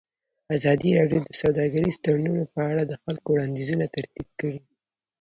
ازادي راډیو د سوداګریز تړونونه په اړه د خلکو وړاندیزونه ترتیب کړي.